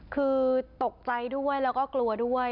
คือตกใจด้วยแล้วก็กลัวด้วย